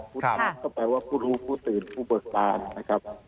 พุทธก็แปลว่าพุทธฮู้พุทธตื่นพุทธเบิกตาลนะครับ